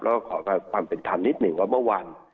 แล้วก็ขอความเป็นธรรมนิดหนึ่งว่าเมื่อวาน